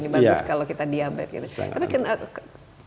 bagus kalau kita diabetes